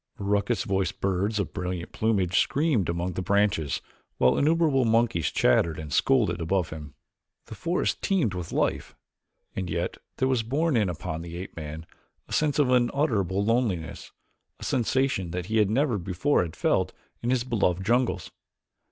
Raucous voiced birds of brilliant plumage screamed among the branches while innumerable monkeys chattered and scolded above him. The forest teemed with life, and yet there was borne in upon the ape man a sense of unutterable loneliness, a sensation that he never before had felt in his beloved jungles.